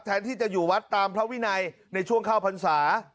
แทนที่จะอยู่วัดตามพระวินัยในช่วงเข้าพรรษา